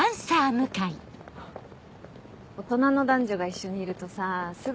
大人の男女が一緒にいるとさすぐ